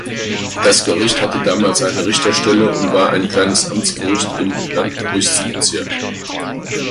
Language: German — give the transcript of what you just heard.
Das Gericht hatte damals eine Richterstelle und war ein kleines Amtsgericht im Landgerichtsbezirk.